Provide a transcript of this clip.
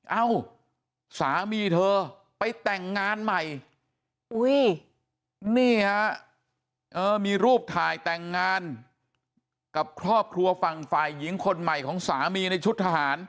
เอ้าสามีเธอไปแต่งงานใหม่นี่ฮะมีรูปถ่ายแต่งงานกับครอบครัวฝั่งฝ่ายหญิงคนใหม่ของสามีในชุดทหาร